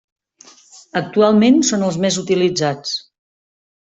Actualment són els més utilitzats.